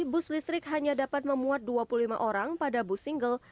bus listrik hanya dapat memuat dua puluh lima orang pada bus single